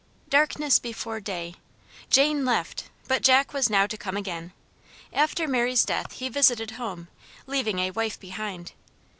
DARKNESS before day. Jane left, but Jack was now to come again. After Mary's death he visited home, leaving a wife behind.